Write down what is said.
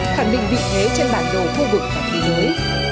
khẳng định vị thế trên bản đồ khu vực và thế giới